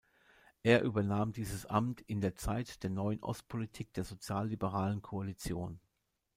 Er übernahm dieses Amt in der Zeit der neuen Ostpolitik der sozial-liberalen Koalition.